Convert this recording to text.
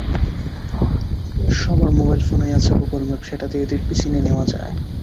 সবার মোবাইল ফোনেই আছে গুগল ম্যাপ, সেটা দিয়ে দিব্যি চিনে নেওয়া যায়।